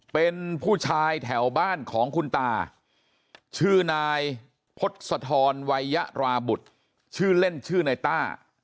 เป็นผู้ชายแถวบ้านของคุณตาชื่อนายพศธรวัยยราบุตรชื่อเล่นชื่อนายต้า